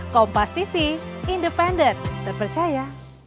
kompas tv independen terpercaya